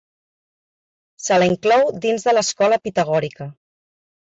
Se la inclou dins de l'escola pitagòrica.